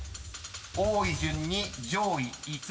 ［多い順に上位５つ